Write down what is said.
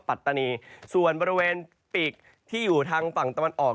ปัตตานีส่วนบริเวณปีกที่อยู่ทางฝั่งตะวันออก